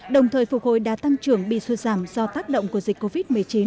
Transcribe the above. đồng thời phục hồi đã tăng trưởng bị xuất giảm do tác động của dịch covid một mươi chín